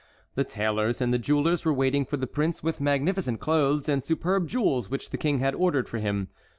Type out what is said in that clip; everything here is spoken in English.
The tailors and the jewellers were waiting for the prince with magnificent clothes and superb jewels which the King had ordered for him.